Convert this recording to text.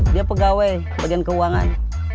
dia pegawai bagian keuangan